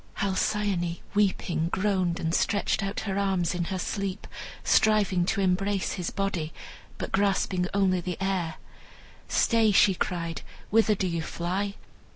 Halcyone, weeping, groaned, and stretched out her arms in her sleep, striving to embrace his body, but grasping only the air. "Stay!" she cried; "whither do you fly?